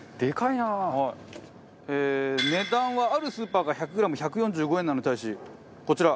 値段はあるスーパーが１００グラム１４５円なのに対しこちら。